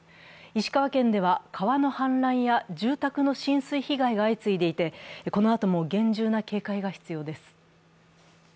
石川県では川の氾濫や住宅の浸水被害が相次いでいてこのあとも厳重な警戒が必要です。